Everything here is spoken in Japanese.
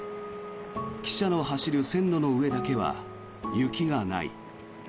汽車の走る線路の上だけは雪がない。